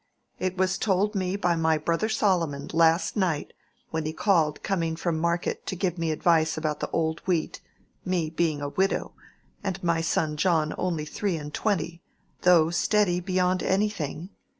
"It was told me by my brother Solomon last night when he called coming from market to give me advice about the old wheat, me being a widow, and my son John only three and twenty, though steady beyond anything.